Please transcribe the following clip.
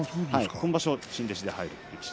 今場所、新弟子で入ります。